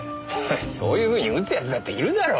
そういうふうに打つ奴だっているだろ。